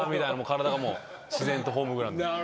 体がもう自然とホームグラウンドに。